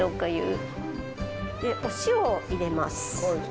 お塩を入れます。